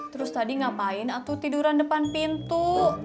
terus tadi ngapain aku tiduran depan pintu